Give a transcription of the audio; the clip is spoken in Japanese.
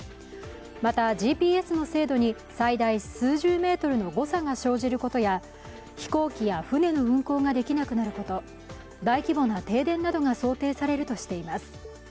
また、ＧＰＳの精度に最大数十メートルの誤差が生じることや飛行機や船の運航ができなくなること、大規模な停電などが想定されるとしています。